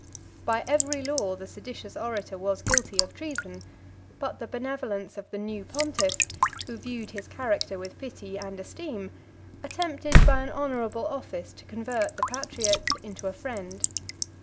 By every law the seditious orator was guilty of treason; but the benevolence of the new pontiff, who viewed his character with pity and esteem, attempted by an honorable office to convert the patriot into a friend.